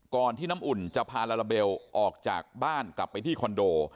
ที่น้ำอุ่นจะพาลาลาเบลออกจากบ้านกลับไปที่คอนโด